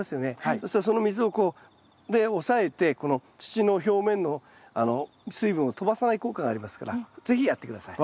そしたらその水をこう押さえてこの土の表面の水分をとばさない効果がありますから是非やって下さい。